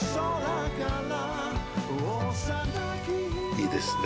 いいですね。